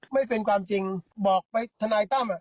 ไม่เป็นความจริงบอกไปทนายตั้ม